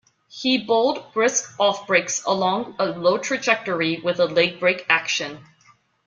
He bowled brisk off-breaks along a low trajectory with a leg-break action.